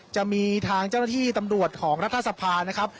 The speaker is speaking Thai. จะมีทางเจ้าหน้าที่ตำรวจของทรัศนภา